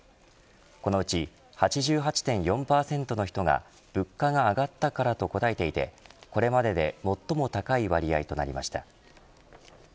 このうち８８．４％の人が物価が上がったからと答えていてこれまでで最も高い割合となりました。